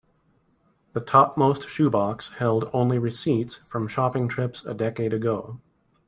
The topmost shoe box held only receipts from shopping trips a decade ago.